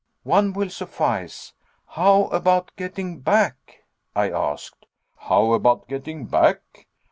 "One will suffice. How about getting back?" I asked. "How about getting back?